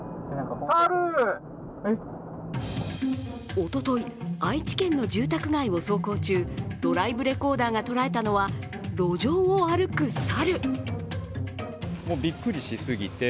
おととい、愛知県の住宅街を走行中、ドライブレコーダーが捉えたのは路上を歩く猿。